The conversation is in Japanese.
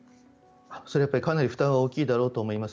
それはかなり負担は大きいだろうと思います。